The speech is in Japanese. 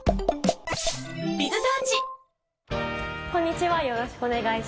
こんにちはよろしくお願いします。